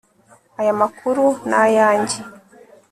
Aya makuru ni ayanjye